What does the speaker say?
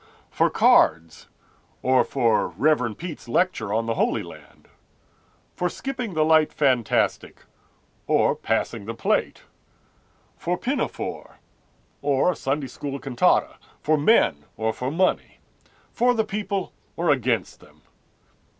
For cards, or for Rev. Peet's lecture on the holy land; For skipping the light fantastic, or passing the plate; For Pinafore, or a Sunday school cantata; For men, or for money; For the people or against them.